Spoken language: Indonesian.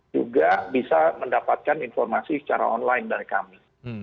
juga bisa mendapatkan informasi secara online dari kami